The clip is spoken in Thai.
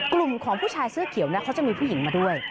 กลุ่มของผู้ชายเสื้อเขียวเขาจะมีผู้หญิงมาด้วย